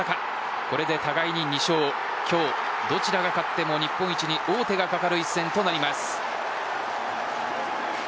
これで互いに２勝今日、どちらが勝っても日本一に王手かかる一戦となります。